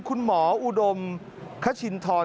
คุณหมออุดมคชินทร